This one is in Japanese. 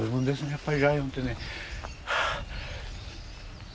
やっぱりライオンってね。